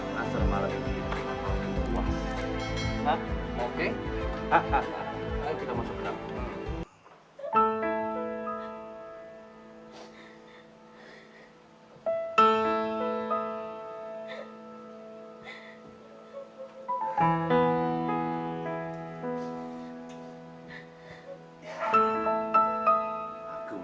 nah selamat malam